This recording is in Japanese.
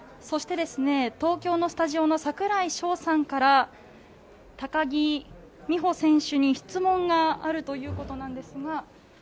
そして東京のスタジオの櫻井翔さんから高木美帆選手に質問があるということなんですが。